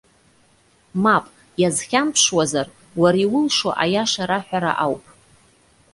Мап, иазхьамԥшуазар, уара иулшо аиаша раҳәара ауп.